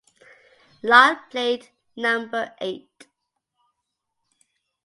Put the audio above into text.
Lyle played number eight.